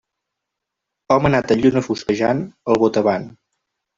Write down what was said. Home nat en lluna fosquejant, al botavant.